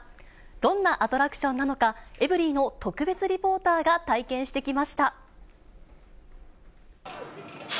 どんなアトラクションなのか、エブリィの特別リポーターが体験してきました。